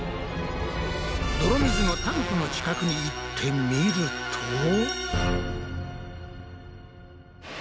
泥水のタンクの近くに行ってみると。